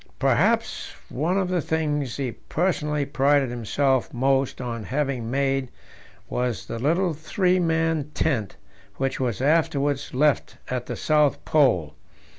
Perhaps one of the things he personally prided himself most on having made was the little three man tent which was afterwards left at the South Pole.